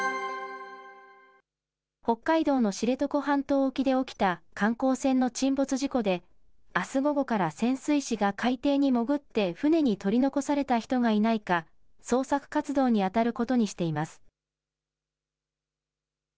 北海道の知床半島沖で起きた観光船の沈没事故で、あす午後から潜水士が海底に潜って、船に取り残された人がいないか、捜索活動に当たることにしています。